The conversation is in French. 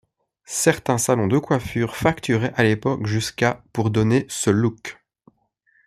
Certains salons de coiffure facturaient à l'époque jusqu'à pour donner ce look.